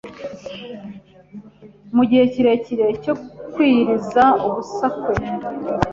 Mu gihe kirekire cyo kwiyiriza ubusa kwe,